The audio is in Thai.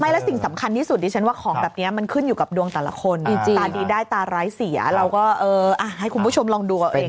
แล้วสิ่งสำคัญที่สุดดิฉันว่าของแบบนี้มันขึ้นอยู่กับดวงแต่ละคนตาดีได้ตาร้ายเสียเราก็เออให้คุณผู้ชมลองดูเอาเอง